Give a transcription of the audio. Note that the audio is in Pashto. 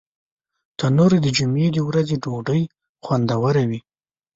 تنور د جمعې د ورځې ډوډۍ خوندوروي